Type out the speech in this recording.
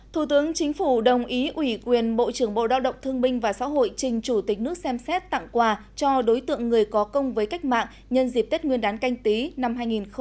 thủ tướng chính phủ đồng ý ủy quyền bộ trưởng bộ lao động thương binh và xã hội trình chủ tịch nước xem xét tặng quà cho đối tượng người có công với cách mạng nhân dịp tết nguyên đán canh tí năm hai nghìn hai mươi